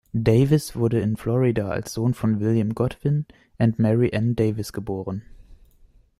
Davis wurde in Florida als Sohn von William Godwin and Mary Ann Davis geboren.